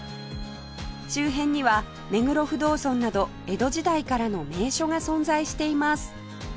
周辺には目黒不動尊など江戸時代からの名所が存在しています